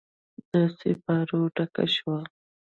د سیپارو ډکه شوه